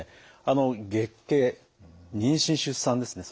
あの月経妊娠出産ですね